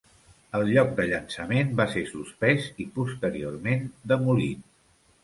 El lloc de llançament va ser suspès i posteriorment demolit.